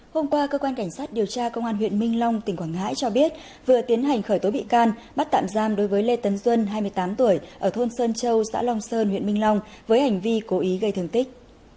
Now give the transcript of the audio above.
hôm qua cơ quan cảnh sát điều tra công an huyện minh long tỉnh quảng ngãi cho biết vừa tiến hành khởi tố bị can bắt tạm giam đối với lê tấn duân hai mươi tám tuổi ở thôn sơn châu xã long sơn huyện minh long với hành vi cố ý gây thương tích